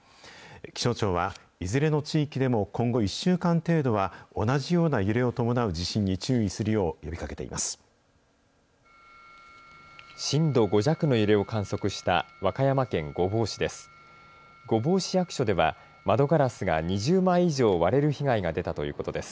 気象庁は、いずれの地域でも今後１週間程度は同じような揺れを伴う地震に注意するよう呼びかけています。